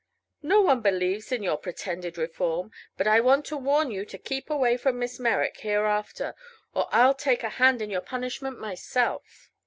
No one believes in your pretended reform. But I want to warn you to keep away from Miss Merrick, hereafter, or I'll take a hand in your punishment myself."